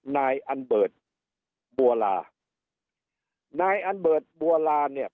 นายอันเบิร์ตบัวลานายอันเบิร์ตบัวลาเนี่ย